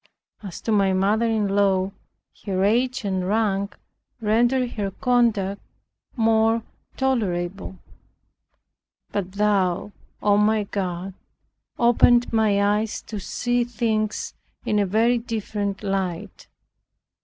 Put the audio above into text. As to my mother in law, her age and rank rendered her conduct more tolerable. But Thou, O my God, opened my eyes to see things in a very different light.